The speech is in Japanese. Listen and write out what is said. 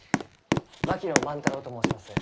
槙野万太郎と申します。